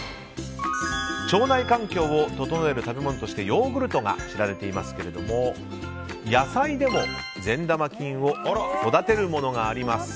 腸内環境を整える食べ物としてヨーグルトが知られていますが野菜でも善玉菌を育てるものがあります。